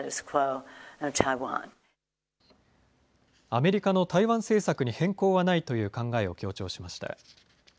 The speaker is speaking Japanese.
アメリカの台湾政策に変更はないという考えを強調しました。